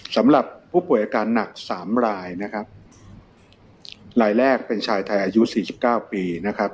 สำหรับผู้ป่วยอาการหนัก๓ลายนะครับลายแรกเป็นชายไทยอายุ๔๙ปีนะครับ